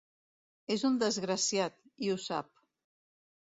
És un desgraciat, i ho sap.